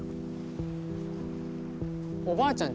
おばあちゃん